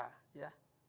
di ruang digital kita